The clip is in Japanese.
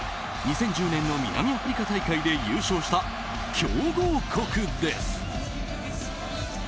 ２０１０年の南アフリカ大会で優勝した強豪国です。